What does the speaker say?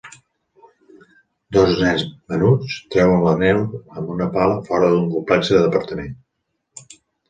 Dos nens menuts treuen la neu amb una pala fora d'un complexe d'apartaments.